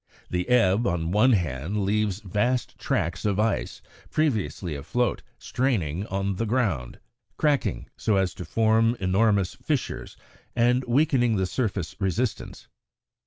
The ebb, on one hand, leaves vast tracks of ice, previously afloat, straining on the ground, cracking so as to form enormous fissures and weakening the surface resistance.